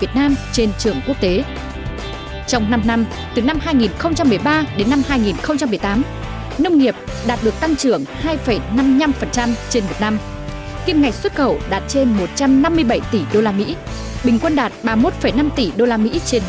bình quân đạt ba mươi một năm tỷ usd trên một năm